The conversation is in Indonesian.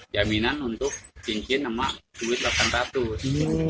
jaminan untuk cincin emak rp delapan ratus